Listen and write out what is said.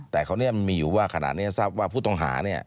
แต่เขามีอยู่ว่าขนาดนี้ท่านทราบว่าผู้ต้องหา